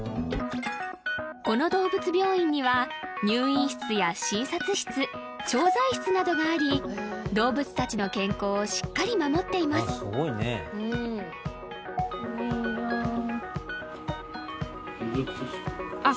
この動物病院には入院室や診察室調剤室などがあり動物達の健康をしっかり守っていますあっ